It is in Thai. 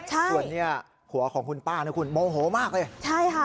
ส่วนเนี่ยผัวของคุณป้านะคุณโมโหมากเลย